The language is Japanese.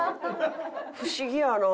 不思議やな。